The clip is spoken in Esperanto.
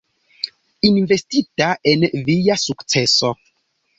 Investita en via sukceso.